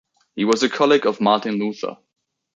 He was a colleague of Martin Luther.